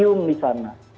ada musim di sana